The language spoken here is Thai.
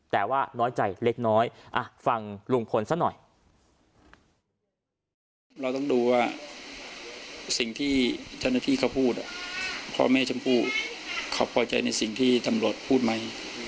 แต่ว่าน้อยใจเล็กน้อยฟังลุงพลซะหน่อย